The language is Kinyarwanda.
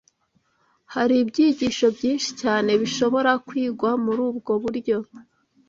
Hari ibyigisho byinshi cyane bishobora kwigwa muri ubwo buryo